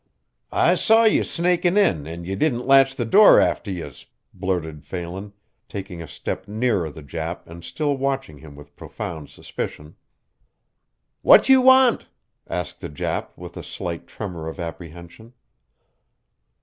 "I saw ye snakin' in an' ye didn't latch the door after yez," blurted Phelan, taking a step nearer the Jap and still watching him with profound suspicion. "What you want?" asked the Jap with a slight tremor of apprehension.